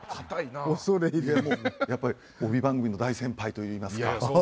やっぱり帯番組の大先輩といいますか。